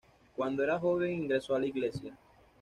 Cuando era joven ingresó en la Iglesia.